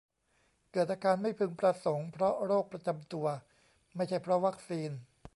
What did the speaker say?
เกิดอาการไม่พึงประสงค์เพราะโรคประจำตัว ไม่ใช่เพราะวัคซีน